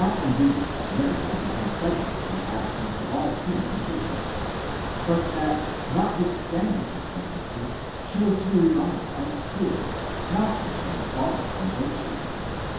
indeed that Mary had become pregnant in the absence of all human inter course, but that notwithstanding her pregnancy she was to be regarded as pure, not as one fallen from virtue.